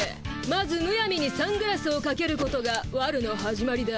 まずむやみにサングラスをかけることがわるの始まりだ。